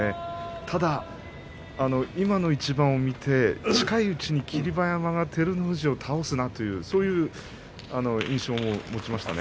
ただ今の一番を見て近いうちに霧馬山が照ノ富士を倒すなというそういう印象も持ちましたね。